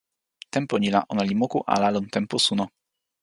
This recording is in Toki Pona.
tenpo ni la ona li moku ala lon tenpo suno.